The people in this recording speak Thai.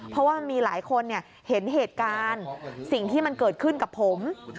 เพราะว่ามันมีหลายคนเห็นเหตุการณ์สิ่งที่มันเกิดขึ้นกับผม